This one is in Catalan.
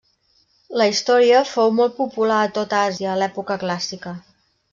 La història fiu molt popular a tot Àsia a l'època clàssica.